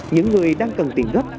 những người đang cần tiền gấp